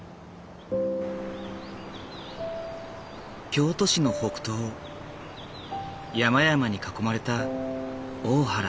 京都市の北東山々に囲まれた大原。